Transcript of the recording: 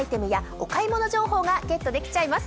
お買い物情報がゲットできちゃいます。